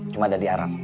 cuma ada di arab